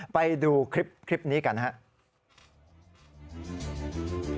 ไปดูคลิปนี้กันนะครับ